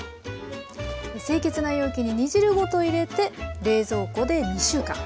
清潔な容器に煮汁ごと入れて冷蔵庫で２週間。